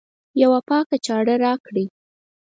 یوه پاکي چاړه راکړئ